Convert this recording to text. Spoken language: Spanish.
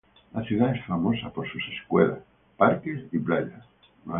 La ciudad es famosa por sus escuelas, parques y playas.